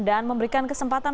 dan memberikan kesempatan